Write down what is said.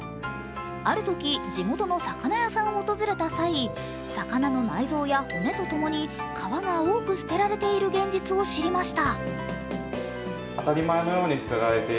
あるとき地元の魚屋さんを訪れた際魚の内臓や骨とともに皮が多く捨てられている現実を知りました。